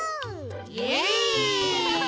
イエイ！